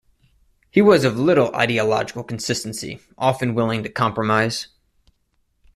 He was of little ideological consistency, often willing to compromise.